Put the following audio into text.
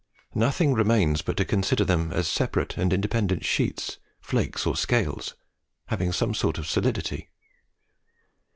Nothing remains but to consider them as separate and independent sheets, flakes, or scales, having some sort of solidity.